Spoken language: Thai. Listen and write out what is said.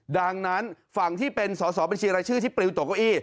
ดังนั้นฝั่งที่เป็นสอสอบัญชีรายชื่อที่ปลิวตกเก้าอี้